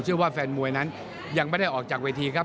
แฟนมวยนั้นยังไม่ได้ออกจากเวทีครับ